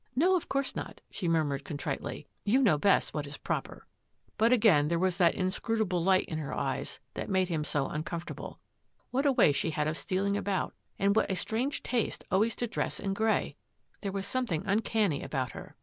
" No, of course not," she murmured contritely. " You know best what is proper." But again there was that inscrutable light in her eyes that made him so uncomfortable. What a way she had of stealing about, and what a strange taste always to dress in grey! There was something uncanny about her.